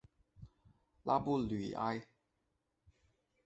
拉布吕埃。